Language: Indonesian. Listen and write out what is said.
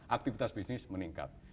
aktivitas bisnis meningkat